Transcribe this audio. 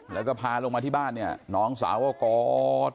แล้วก็พาลงมาที่บ้านเนี่ยน้องสาวก็กอด